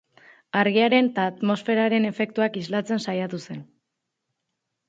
Argiaren eta atmosferaren efektuak islatzen saiatu zen.